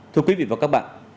thưa quý vị và các bạn